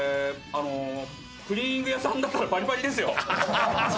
クリーニング屋さんだったらパリパリですよ。